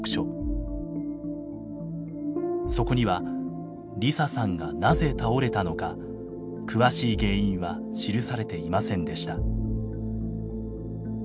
そこには梨沙さんがなぜ倒れたのか詳しい原因は記されていませんでした。